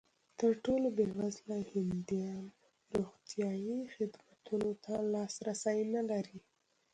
تر ټولو بېوزله هندیان روغتیايي خدمتونو ته لاسرسی نه لري.